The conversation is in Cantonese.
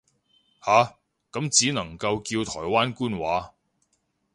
下，咁只能夠叫台灣官話